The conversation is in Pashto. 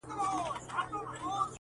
• دغه ګناه مي لویه خدایه په بخښلو ارزي..